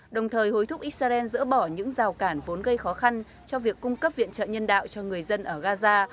đồng thời hối thúc israel dỡ bỏ những rào cản vốn gây khó khăn cho việc cung cấp viện trợ nhân đạo cho người dân ở gaza